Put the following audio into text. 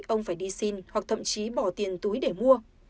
ông phải đi xin hoặc thậm chí bỏ tiền túi để mua